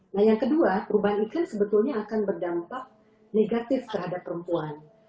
nah yang kedua perubahan iklim sebetulnya akan berdampak negatif terhadap perempuan